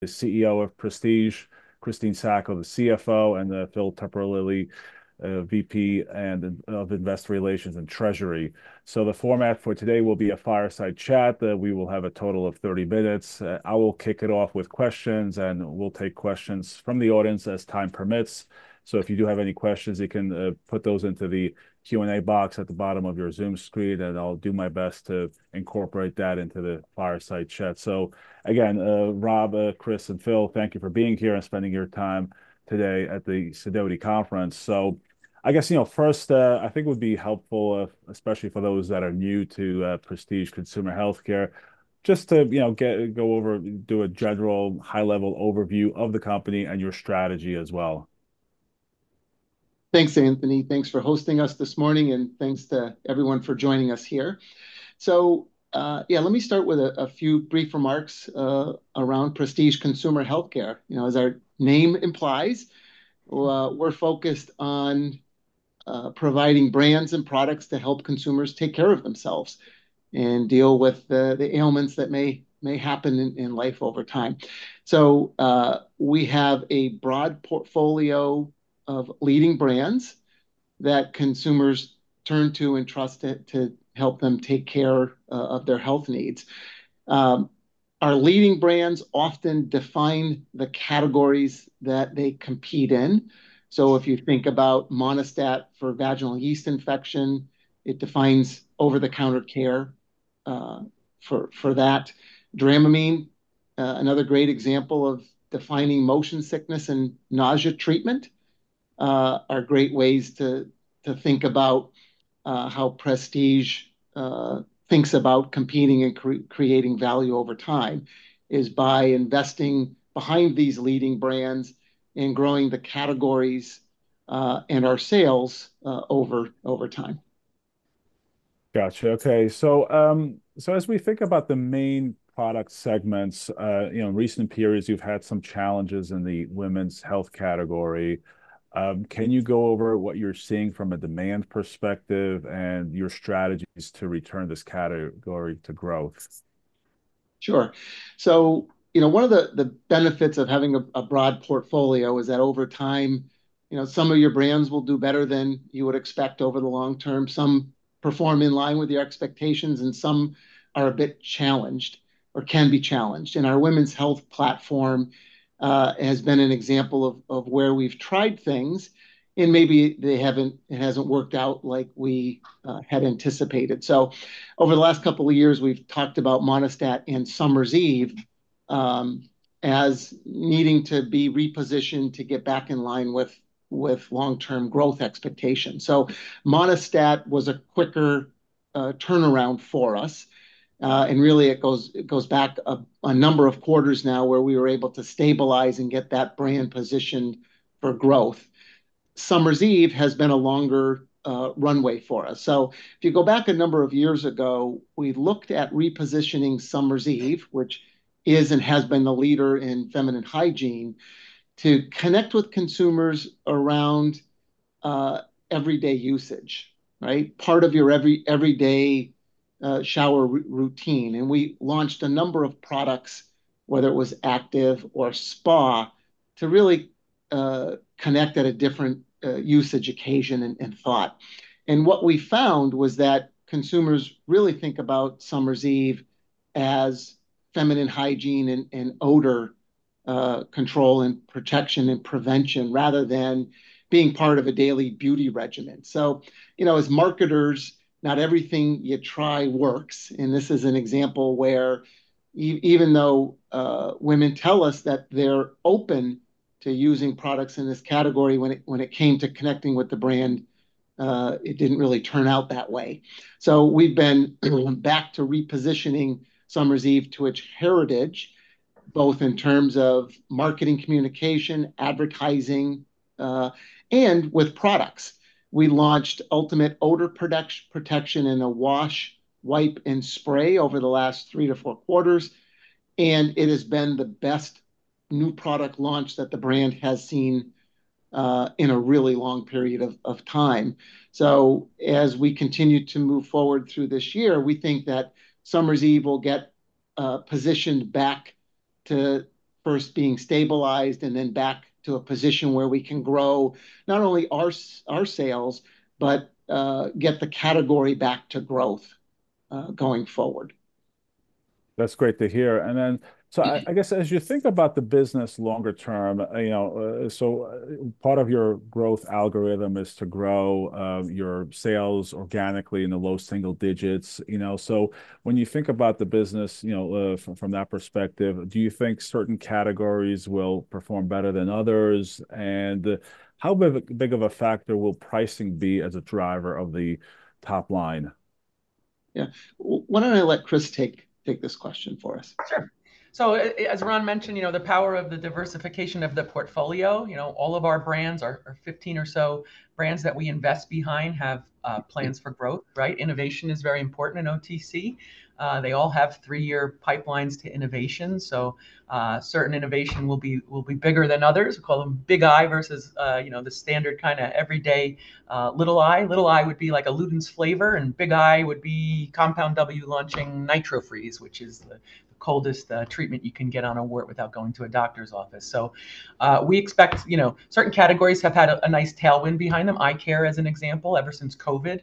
The CEO of Prestige, Christine Sacco, the CFO, and Phil Terpolilli, VP of Investor Relations and Treasury. So the format for today will be a fireside chat that we will have a total of 30 minutes. I will kick it off with questions, and we'll take questions from the audience as time permits. So if you do have any questions, you can put those into the Q&A box at the bottom of your Zoom screen, and I'll do my best to incorporate that into the fireside chat. So again, Ron, Chris, and Phil, thank you for being here and spending your time today at the Sidoti Conference. So I guess, you know, first, I think it would be helpful, especially for those that are new to Prestige Consumer Healthcare, just to, you know, go over, do a general high-level overview of the company and your strategy as well. Thanks, Anthony. Thanks for hosting us this morning, and thanks to everyone for joining us here. So, yeah, let me start with a few brief remarks around Prestige Consumer Healthcare. You know, as our name implies, we're focused on providing brands and products to help consumers take care of themselves and deal with the ailments that may happen in life over time. So, we have a broad portfolio of leading brands that consumers turn to and trust to help them take care of their health needs. Our leading brands often define the categories that they compete in. So if you think about Monistat for vaginal yeast infection, it defines over-the-counter care for that. Dramamine, another great example of defining motion sickness and nausea treatment, are great ways to think about how Prestige thinks about competing and creating value over time, is by investing behind these leading brands and growing the categories, and our sales over time. Gotcha. Okay, so as we think about the main product segments, you know, in recent periods, you've had some challenges in the women's health category. Can you go over what you're seeing from a demand perspective and your strategies to return this category to growth? Sure. So, you know, one of the benefits of having a broad portfolio is that over time, you know, some of your brands will do better than you would expect over the long term. Some perform in line with your expectations, and some are a bit challenged or can be challenged. And our women's health platform has been an example of where we've tried things, and maybe it hasn't worked out like we had anticipated. So over the last couple of years, we've talked about Monistat and Summer's Eve as needing to be repositioned to get back in line with long-term growth expectations. So Monistat was a quicker turnaround for us. And really, it goes back a number of quarters now, where we were able to stabilize and get that brand positioned for growth. Summer's Eve has been a longer runway for us. So if you go back a number of years ago, we looked at repositioning Summer's Eve, which is and has been the leader in feminine hygiene, to connect with consumers around everyday usage, right? Part of your everyday shower routine. And we launched a number of products, whether it was Active or Spa, to really connect at a different usage occasion and thought. And what we found was that consumers really think about Summer's Eve as feminine hygiene and odor control and protection and prevention, rather than being part of a daily beauty regimen. You know, as marketers, not everything you try works, and this is an example where even though women tell us that they're open to using products in this category, when it came to connecting with the brand, it didn't really turn out that way. We've been back to repositioning Summer's Eve to its heritage, both in terms of marketing, communication, advertising, and with products. We launched Ultimate Odor Protection in a wash, wipe, and spray over the last three to four quarters, and it has been the best new product launch that the brand has seen in a really long period of time. So as we continue to move forward through this year, we think that Summer's Eve will get positioned back to first being stabilized and then back to a position where we can grow not only our sales, but get the category back to growth going forward. That's great to hear. And then, so I guess, as you think about the business longer term, you know, so part of your growth algorithm is to grow your sales organically in the low single digits, you know? So when you think about the business, you know, from that perspective, do you think certain categories will perform better than others? And how big of a factor will pricing be as a driver of the top line? Yeah. Why don't I let Chris take this question for us? Sure. As Ron mentioned, you know, the power of the diversification of the portfolio, you know, all of our brands, our 15 or so brands that we invest behind have plans for growth, right? Innovation is very important in OTC. They all have three-year pipelines to innovation, so certain innovation will be bigger than others. We call them Big I versus the standard kinda everyday Little I. Little I would be like a Luden's flavor, and Big I would be Compound W launching NitroFreeze, which is the coldest treatment you can get on a wart without going to a doctor's office. So we expect, you know, certain categories have had a nice tailwind behind them. Eye care, as an example, ever since COVID.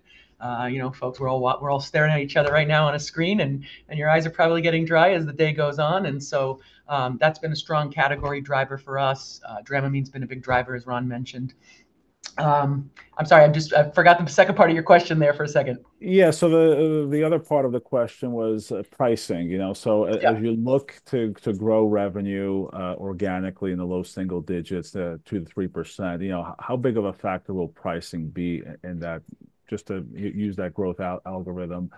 You know, folks, we're all staring at each other right now on a screen, and your eyes are probably getting dry as the day goes on. And so, that's been a strong category driver for us. Dramamine's been a big driver, as Ron mentioned. I'm sorry, I just forgot the second part of your question there for a second. Yeah, so the other part of the question was pricing, you know? Yeah. As you look to grow revenue organically in the low single digits, two to three%, you know, how big of a factor will pricing be in that, just to use that growth algorithm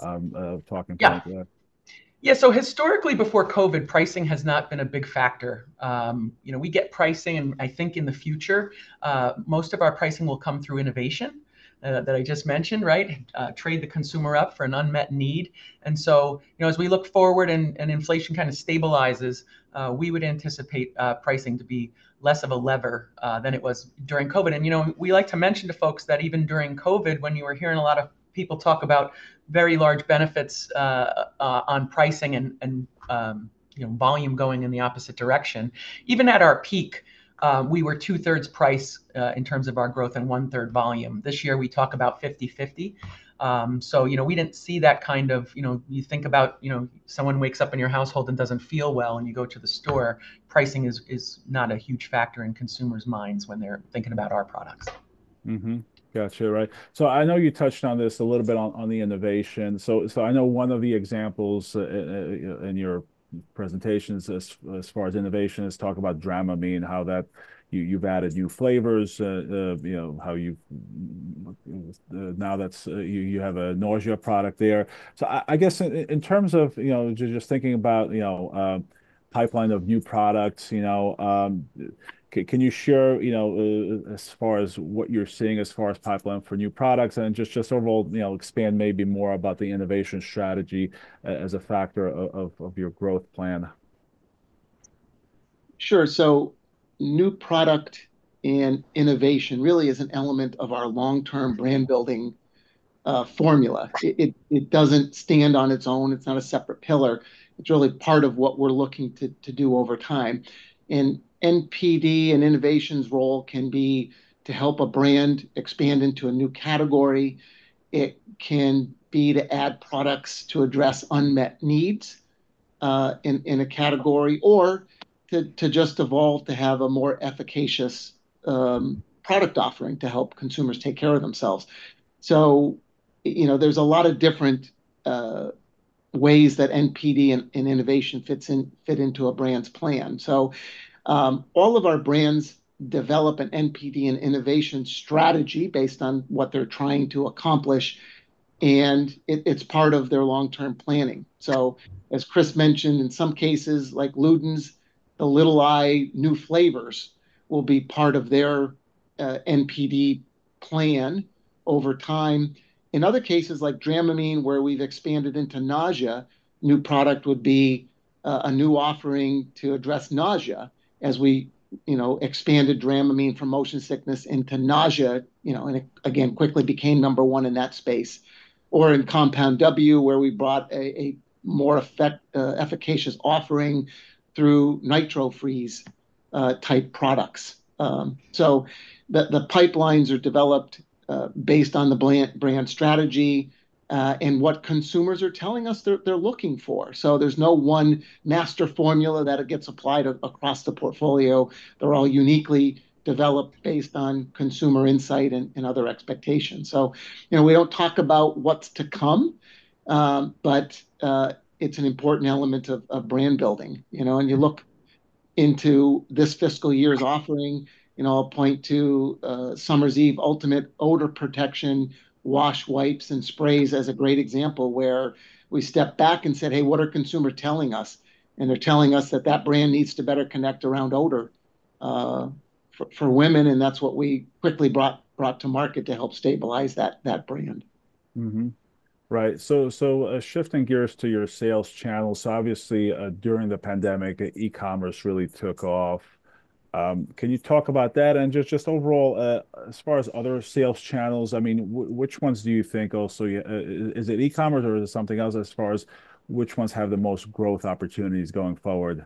talking point? Yeah. Yeah, so historically before COVID, pricing has not been a big factor. You know, we get pricing, and I think in the future, most of our pricing will come through innovation that I just mentioned, right? Trade the consumer up for an unmet need. And so, you know, as we look forward and inflation kind of stabilizes, we would anticipate pricing to be less of a lever than it was during COVID. And, you know, we like to mention to folks that even during COVID, when you were hearing a lot of people talk about very large benefits on pricing and, you know, volume going in the opposite direction, even at our peak, we were two-thirds price in terms of our growth and one-third volume. This year, we talk about 50/50. So, you know, we didn't see that kind of, you know. You think about, you know, someone wakes up in your household and doesn't feel well, and you go to the store, pricing is not a huge factor in consumers' minds when they're thinking about our products. Mm-hmm. Gotcha, right. So I know you touched on this a little bit on the innovation. So I know one of the examples in your presentations as far as innovation is talk about Dramamine, how you've added new flavors, you know, now that's you have a nausea product there. So I guess in terms of, you know, just thinking about, you know, pipeline of new products, you know, can you share, you know, as far as what you're seeing as far as pipeline for new products and just overall, you know, expand maybe more about the innovation strategy as a factor of your growth plan? Sure. So new product and innovation really is an element of our long-term brand-building formula. It doesn't stand on its own. It's not a separate pillar. It's really part of what we're looking to do over time. And NPD and innovation's role can be to help a brand expand into a new category. It can be to add products to address unmet needs in a category, or to just evolve to have a more efficacious product offering to help consumers take care of themselves. So, you know, there's a lot of different ways that NPD and innovation fits into a brand's plan. So, all of our brands develop an NPD and innovation strategy based on what they're trying to accomplish, and it's part of their long-term planning. So as Chris mentioned, in some cases, like Luden's, the Little I new flavors will be part of their NPD plan over time. In other cases, like Dramamine, where we've expanded into nausea, new product would be a new offering to address nausea, as we, you know, expanded Dramamine from motion sickness into nausea, you know, and it, again, quickly became number one in that space, or in Compound W, where we brought a more efficacious offering through NitroFreeze type products. So the pipelines are developed based on the brand strategy, and what consumers are telling us they're looking for. So there's no one master formula that it gets applied across the portfolio. They're all uniquely developed based on consumer insight and other expectations. So, you know, we don't talk about what's to come, but it's an important element of brand building. You know, when you look into this fiscal year's offering, you know, I'll point to Summer's Eve Ultimate Odor Protection wash wipes and sprays as a great example, where we stepped back and said, "Hey, what are consumer telling us?" And they're telling us that that brand needs to better connect around odor for women, and that's what we quickly brought to market to help stabilize that brand. Mm-hmm. Right. So, so, shifting gears to your sales channel. So obviously, during the pandemic, e-commerce really took off. Can you talk about that? And just, just overall, as far as other sales channels, I mean, which ones do you think also... Is it e-commerce, or is it something else as far as which ones have the most growth opportunities going forward?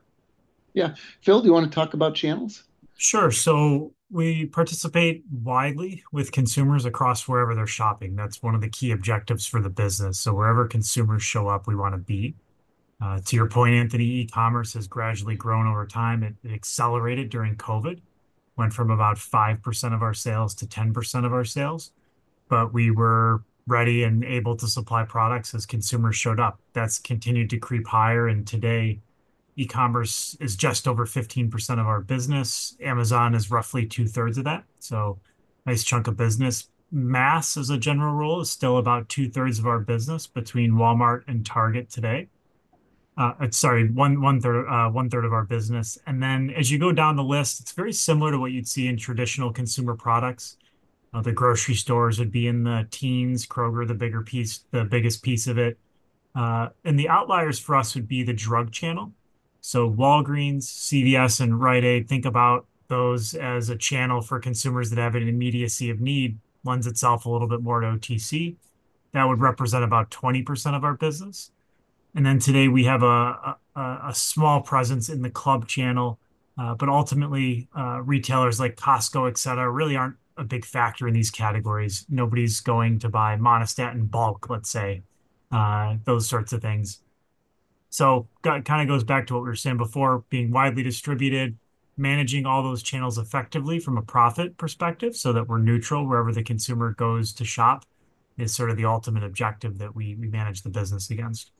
Yeah. Phil, do you want to talk about channels? Sure. So we participate widely with consumers across wherever they're shopping. That's one of the key objectives for the business, so wherever consumers show up, we want to be. To your point, Anthony, e-commerce has gradually grown over time, and it accelerated during COVID. Went from about 5% of our sales to 10% of our sales, but we were ready and able to supply products as consumers showed up. That's continued to creep higher, and today, e-commerce is just over 15% of our business. Amazon is roughly two-thirds of that, so nice chunk of business. Mass, as a general rule, is still about one-third of our business between Walmart and Target today. And then, as you go down the list, it's very similar to what you'd see in traditional consumer products. The grocery stores would be in the teens, Kroger, the biggest piece of it, and the outliers for us would be the drug channel, so Walgreens, CVS, and Rite Aid. Think about those as a channel for consumers that have an immediacy of need, lends itself a little bit more to OTC. That would represent about 20% of our business, and then today we have a small presence in the club channel. Ultimately, retailers like Costco, et cetera, really aren't a big factor in these categories. Nobody's going to buy Monistat in bulk, let's say, those sorts of things.... so it got, kind of goes back to what we were saying before, being widely distributed, managing all those channels effectively from a profit perspective so that we're neutral wherever the consumer goes to shop, is sort of the ultimate objective that we manage the business against.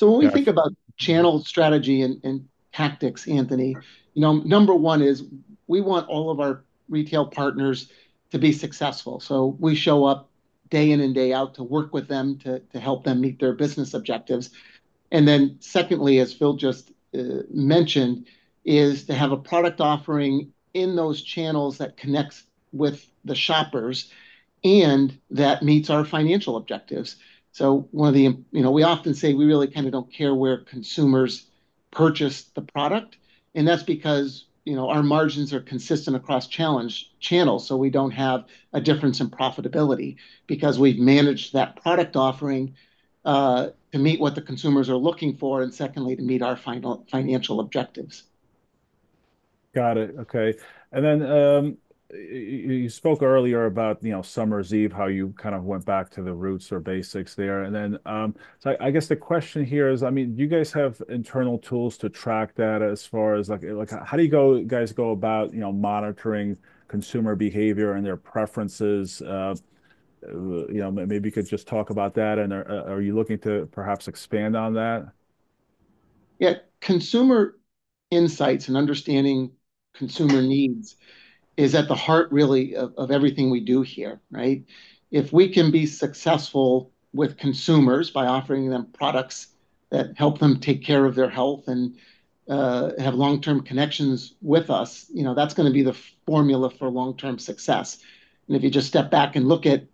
So when we think about-... channel strategy and tactics, Anthony-... you know, number one is we want all of our retail partners to be successful. So we show up day in and day out to work with them, to help them meet their business objectives. And then secondly, as Phil just mentioned, is to have a product offering in those channels that connects with the shoppers and that meets our financial objectives. So one of the, you know, we often say we really kind of don't care where consumers purchase the product, and that's because, you know, our margins are consistent across channels, so we don't have a difference in profitability because we've managed that product offering to meet what the consumers are looking for, and secondly, to meet our financial objectives. Got it. Okay. And then, you spoke earlier about, you know, Summer's Eve, how you kind of went back to the roots or basics there. And then, so I, I guess the question here is, I mean, do you guys have internal tools to track that as far as, like, like, how do you guys go about, you know, monitoring consumer behavior and their preferences? You know, maybe you could just talk about that, and are you looking to perhaps expand on that? Yeah. Consumer insights and understanding consumer needs is at the heart really of everything we do here, right? If we can be successful with consumers by offering them products that help them take care of their health and have long-term connections with us, you know, that's gonna be the formula for long-term success. And if you just step back and look at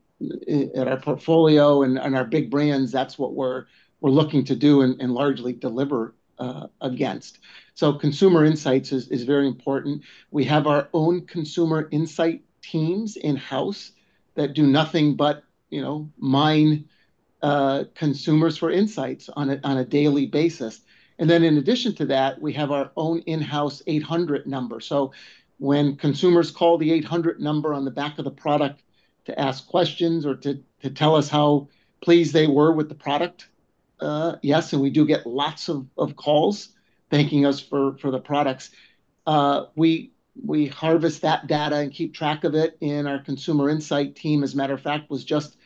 our portfolio and our big brands, that's what we're looking to do and largely deliver against. So consumer insights is very important. We have our own consumer insight teams in-house that do nothing but, you know, mine consumers for insights on a daily basis. And then in addition to that, we have our own in-house 800 number. So when consumers call the 800 number on the back of the product to ask questions or to tell us how pleased they were with the product, yes, and we do get lots of calls thanking us for the products, we harvest that data and keep track of it. And our consumer insight team, as a matter of fact, was just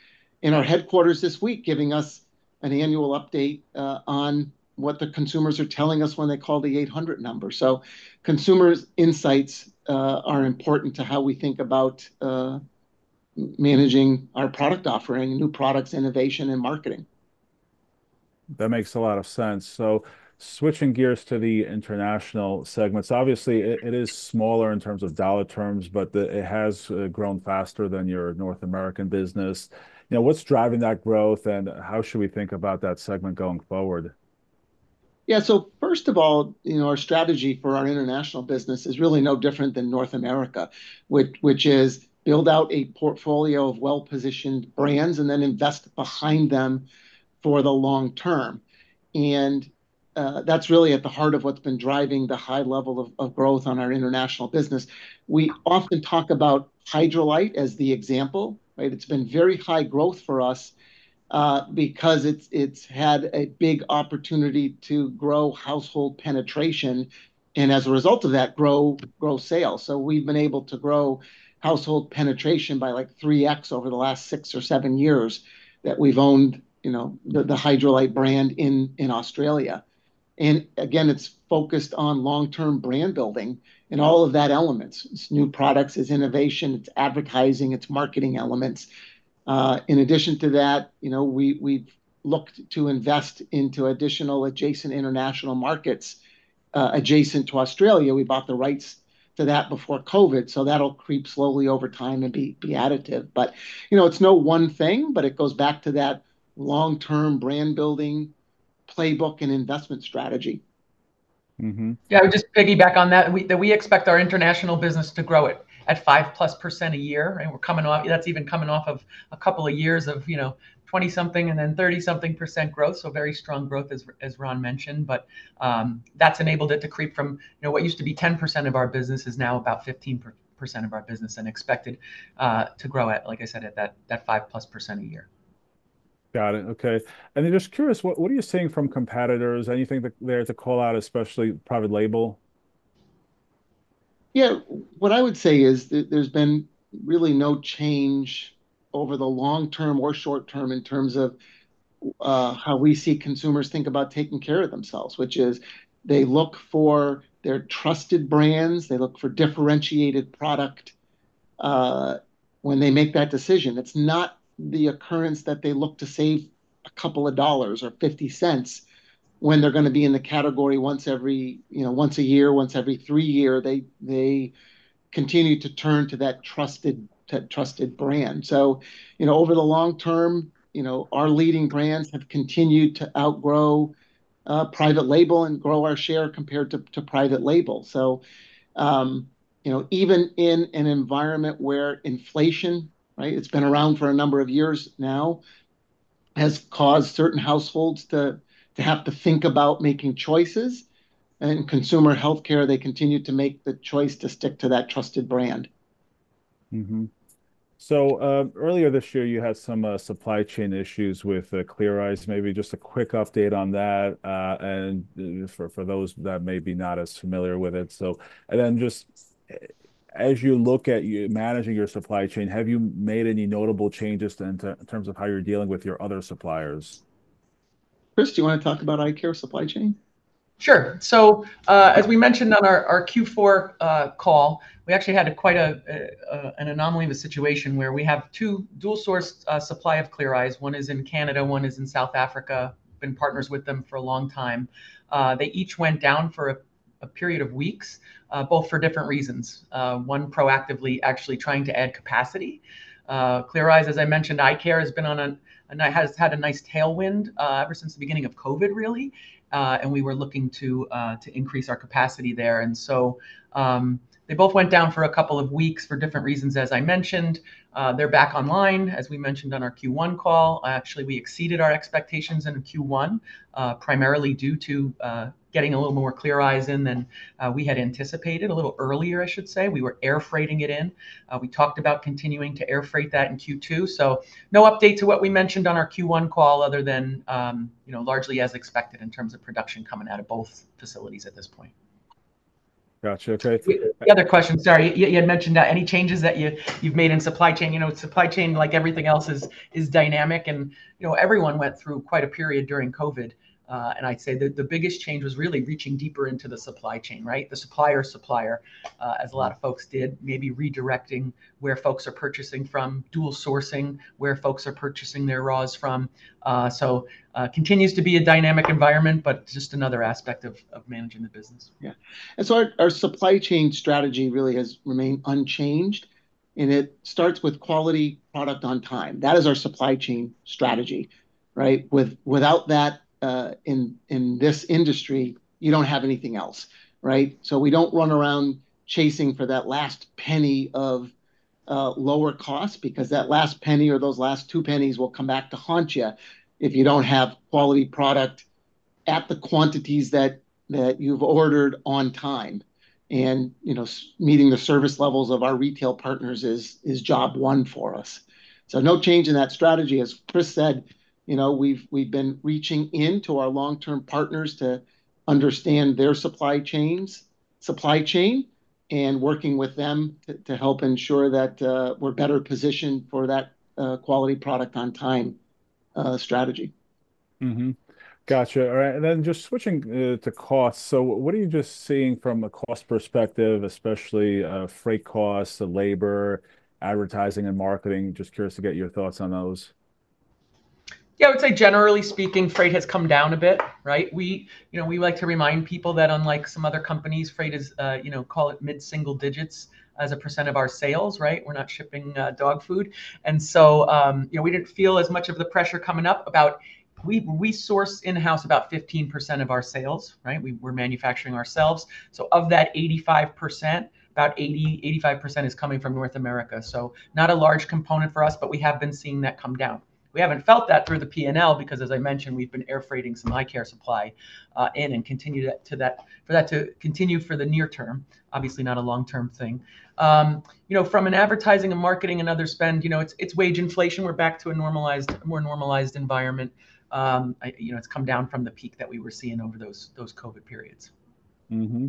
in our headquarters this week, giving us an annual update on what the consumers are telling us when they call the 800 number. So consumers' insights are important to how we think about managing our product offering, new products, innovation, and marketing. That makes a lot of sense. So switching gears to the international segments, obviously, it is smaller in terms of dollar terms, but the... it has grown faster than your North American business. Now, what's driving that growth, and how should we think about that segment going forward? Yeah, so first of all, you know, our strategy for our international business is really no different than North America, which is build out a portfolio of well-positioned brands and then invest behind them for the long term. And that's really at the heart of what's been driving the high level of growth on our international business. We often talk about Hydralyte as the example, right? It's been very high growth for us because it's had a big opportunity to grow household penetration, and as a result of that, grow sales. So we've been able to grow household penetration by, like, 3X over the last six or seven years that we've owned, you know, the Hydralyte brand in Australia. And again, it's focused on long-term brand building and all of that elements. It's new products, it's innovation, it's advertising, it's marketing elements. In addition to that, you know, we've looked to invest into additional adjacent international markets, adjacent to Australia. We bought the rights to that before COVID, so that'll creep slowly over time and be additive. But, you know, it's no one thing, but it goes back to that long-term brand-building playbook and investment strategy. Mm-hmm. Yeah, I would just piggyback on that, we, that we expect our international business to grow at 5% a year, and we're coming off. That's even coming off of a couple of years of, you know, 20-something% and then 30-something% growth, so very strong growth, as Ron mentioned. But that's enabled it to creep from, you know, what used to be 10% of our business is now about 15% of our business, and expected to grow at, like I said, at that 5% a year. Got it. Okay. And then just curious, what, what are you seeing from competitors? Anything that- there to call out, especially private label? Yeah, what I would say is that there's been really no change over the long term or short term in terms of how we see consumers think about taking care of themselves, which is they look for their trusted brands, they look for differentiated product when they make that decision. It's not the occurrence that they look to save a couple of dollars or 50 cents when they're gonna be in the category once every, you know, once a year, once every three year. They, they continue to turn to that trusted, trusted brand. So, you know, over the long term, you know, our leading brands have continued to outgrow private label and grow our share compared to, to private label. You know, even in an environment where inflation, right, it's been around for a number of years now, has caused certain households to have to think about making choices. In consumer healthcare, they continue to make the choice to stick to that trusted brand.... Mm-hmm. So, earlier this year, you had some supply chain issues with Clear Eyes. Maybe just a quick update on that, and for those that may be not as familiar with it. So and then just, as you look at managing your supply chain, have you made any notable changes in terms of how you're dealing with your other suppliers? Chris, do you want to talk about eye care supply chain? Sure. So, as we mentioned on our Q4 call, we actually had quite an anomaly of a situation where we have two dual source supply of Clear Eyes. One is in Canada, one is in South Africa. We've been partners with them for a long time. They each went down for a period of weeks, both for different reasons. One proactively actually trying to add capacity. Clear Eyes, as I mentioned, eye care has had a nice tailwind ever since the beginning of COVID, really. And we were looking to increase our capacity there. And so, they both went down for a couple of weeks for different reasons, as I mentioned. They're back online, as we mentioned on our Q1 call. Actually, we exceeded our expectations in Q1, primarily due to getting a little more Clear Eyes in than we had anticipated. A little earlier, I should say. We were air freighting it in. We talked about continuing to air freight that in Q2. So no update to what we mentioned on our Q1 call, other than, you know, largely as expected in terms of production coming out of both facilities at this point. Gotcha. Okay- The other question, sorry. You had mentioned any changes that you, you've made in supply chain. You know, supply chain, like everything else, is dynamic, and, you know, everyone went through quite a period during COVID. And I'd say the biggest change was really reaching deeper into the supply chain, right? The supplier-supplier, as a lot of folks did, maybe redirecting where folks are purchasing from, dual sourcing, where folks are purchasing their raws from. So, continues to be a dynamic environment, but just another aspect of managing the business. Yeah. And so our supply chain strategy really has remained unchanged, and it starts with quality product on time. That is our supply chain strategy, right? Without that, in this industry, you don't have anything else, right? So we don't run around chasing for that last penny of lower cost, because that last penny or those last two pennies will come back to haunt you, if you don't have quality product at the quantities that you've ordered on time. And, you know, meeting the service levels of our retail partners is job one for us. So no change in that strategy. As Chris said, you know, we've been reaching in to our long-term partners to understand their supply chains and working with them to help ensure that we're better positioned for that quality product on time strategy. Mm-hmm. Gotcha. All right, and then just switching to cost, so what are you just seeing from a cost perspective, especially freight costs, labor, advertising, and marketing? Just curious to get your thoughts on those. Yeah, I would say generally speaking, freight has come down a bit, right? We, you know, we like to remind people that unlike some other companies, freight is, you know, call it mid-single digits% of our sales, right? We're not shipping dog food. And so, you know, we didn't feel as much of the pressure coming up about. We source in-house about 15% of our sales, right? We're manufacturing ourselves. So of that 85%, about 85% is coming from North America. So not a large component for us, but we have been seeing that come down. We haven't felt that through the P&L because, as I mentioned, we've been air freighting some eye care supply and intend to continue that for the near term. Obviously, not a long-term thing. You know, from an advertising and marketing and other spend, you know, it's wage inflation. We're back to a more normalized environment. You know, it's come down from the peak that we were seeing over those COVID periods. Mm-hmm.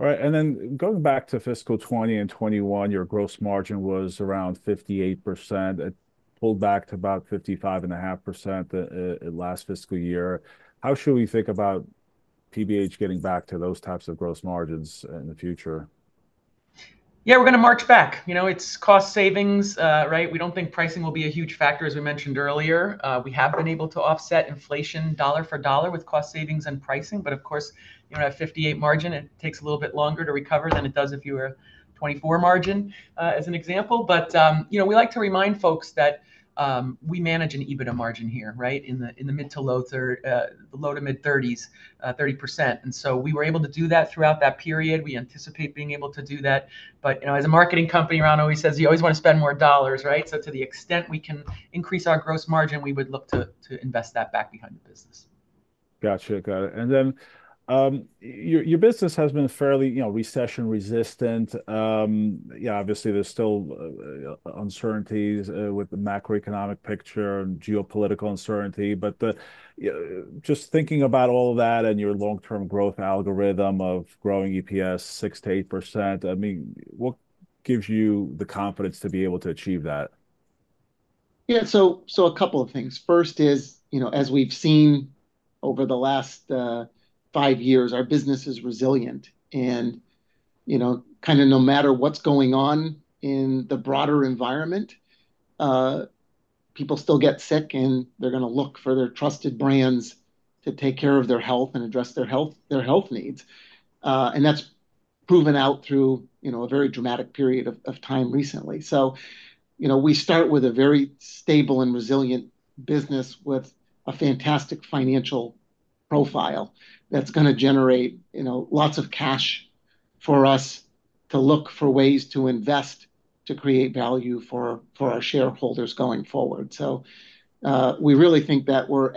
All right, and then going back to fiscal 2020 and 2021, your gross margin was around 58%. It pulled back to about 55.5%, last fiscal year. How should we think about PBH getting back to those types of gross margins in the future? Yeah, we're going to march back. You know, it's cost savings, right? We don't think pricing will be a huge factor, as we mentioned earlier. We have been able to offset inflation dollar for dollar with cost savings and pricing, but of course, you know, at 58% margin, it takes a little bit longer to recover than it does if you were a 24% margin, as an example. But, you know, we like to remind folks that, we manage an EBITDA margin here, right? In the low to mid-30s, 30%. And so we were able to do that throughout that period. We anticipate being able to do that. But, you know, as a marketing company, Ron always says, "You always want to spend more dollars," right? So to the extent we can increase our gross margin, we would look to invest that back behind the business. Gotcha, got it. And then, your business has been fairly, you know, recession-resistant. Yeah, obviously, there's still uncertainties with the macroeconomic picture and geopolitical uncertainty, but just thinking about all that and your long-term growth algorithm of growing EPS 6%-8%, I mean, what gives you the confidence to be able to achieve that? Yeah, so a couple of things. First is, you know, as we've seen over the last five years, our business is resilient. And, you know, kind of no matter what's going on in the broader environment, people still get sick, and they're going to look for their trusted brands to take care of their health and address their health, their health needs. And that's proven out through, you know, a very dramatic period of time recently. So, you know, we start with a very stable and resilient business with a fantastic financial profile that's going to generate, you know, lots of cash for us to look for ways to invest, to create value for our shareholders going forward. So, we really think that we're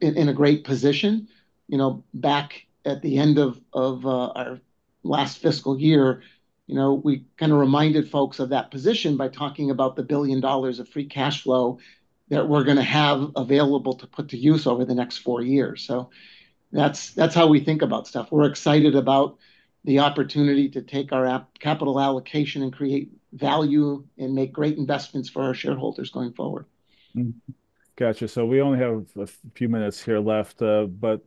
in a great position. You know, back at the end of our last fiscal year, you know, we kinda reminded folks of that position by talking about $1 billion of free cash flow that we're gonna have available to put to use over the next four years. So that's how we think about stuff. We're excited about the opportunity to take our capital allocation and create value, and make great investments for our shareholders going forward. Gotcha. So we only have a few minutes here left, but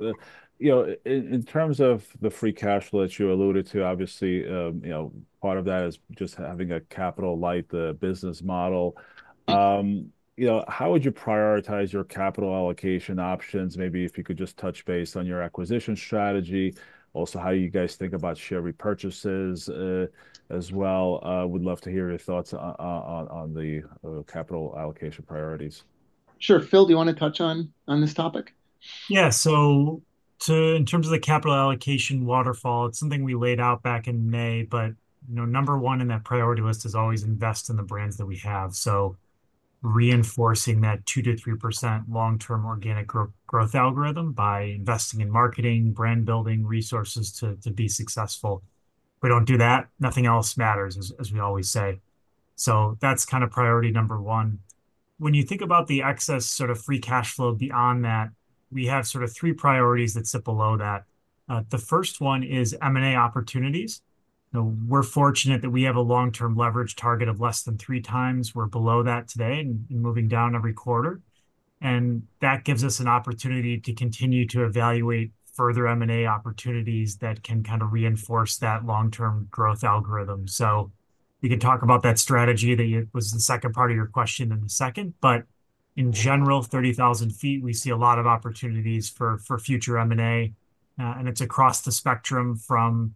you know, in terms of the free cash flow that you alluded to, obviously, you know, part of that is just having a capital light business model. You know, how would you prioritize your capital allocation options? Maybe if you could just touch base on your acquisition strategy, also, how you guys think about share repurchases, as well. Would love to hear your thoughts on the capital allocation priorities. Sure. Phil, do you wanna touch on this topic? Yeah. So in terms of the capital allocation waterfall, it's something we laid out back in May, but, you know, number one in that priority list is always invest in the brands that we have. So reinforcing that 2%-3% long-term organic growth algorithm by investing in marketing, brand building, resources to be successful. If we don't do that, nothing else matters, as we always say. So that's kind of priority number one. When you think about the excess sort of free cash flow beyond that, we have sort of three priorities that sit below that. The first one is M&A opportunities. You know, we're fortunate that we have a long-term leverage target of less than three times. We're below that today, and moving down every quarter, and that gives us an opportunity to continue to evaluate further M&A opportunities that can kind of reinforce that long-term growth algorithm. So we can talk about that strategy, that it was the second part of your question in a second, but in general, thirty thousand feet, we see a lot of opportunities for future M&A, and it's across the spectrum from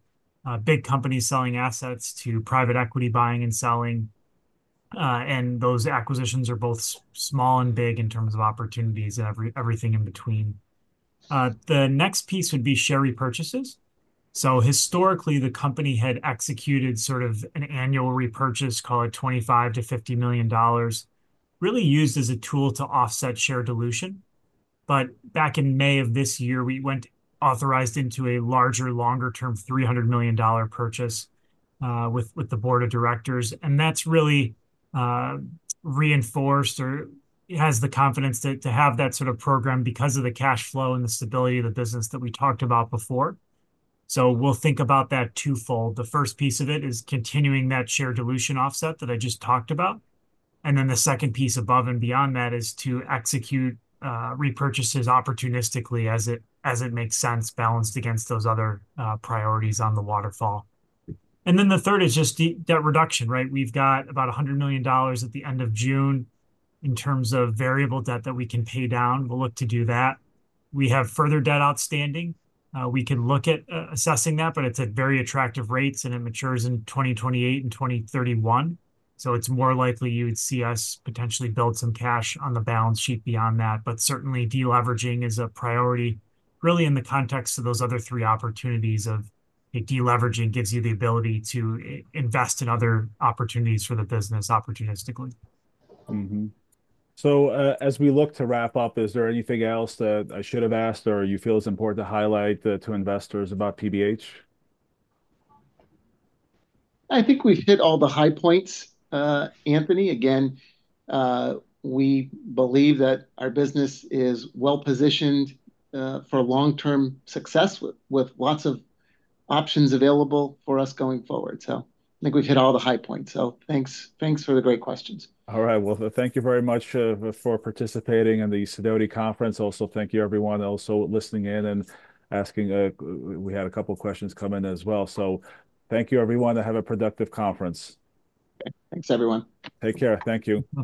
big companies selling assets to private equity buying and selling. And those acquisitions are both small and big in terms of opportunities, and everything in between. The next piece would be share repurchases. So historically, the company had executed sort of an annual repurchase, call it $25 million-$50 million, really used as a tool to offset share dilution. But back in May of this year, we went authorized into a larger, longer term, $300 million purchase with the board of directors. And that's really reinforced, or it has the confidence to have that sort of program because of the cash flow and the stability of the business that we talked about before. So we'll think about that twofold. The first piece of it is continuing that share dilution offset that I just talked about, and then the second piece above and beyond that is to execute repurchases opportunistically as it makes sense, balanced against those other priorities on the waterfall. And then the third is just debt reduction, right? We've got about $100 million at the end of June in terms of variable debt that we can pay down. We'll look to do that. We have further debt outstanding. We can look at assessing that, but it's at very attractive rates, and it matures in 2028 and 2031, so it's more likely you would see us potentially build some cash on the balance sheet beyond that, but certainly, deleveraging is a priority, really in the context of those other three opportunities of... The deleveraging gives you the ability to invest in other opportunities for the business opportunistically. Mm-hmm. So, as we look to wrap up, is there anything else that I should have asked or you feel is important to highlight, to investors about PBH? I think we've hit all the high points, Anthony. Again, we believe that our business is well-positioned for long-term success with lots of options available for us going forward. So I think we've hit all the high points. So thanks, thanks for the great questions. All right. Well, thank you very much for participating in the Sidoti Conference. Also, thank you, everyone, also listening in and asking, we had a couple of questions come in as well. So thank you, everyone, and have a productive conference. Thanks, everyone. Take care. Thank you. Bye.